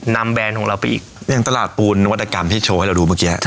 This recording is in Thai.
แบรนด์ของเราไปอีกอย่างตลาดปูนนวัตกรรมที่โชว์ให้เราดูเมื่อกี้